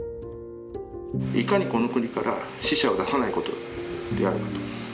いかにこの国から死者を出さないことであるかと。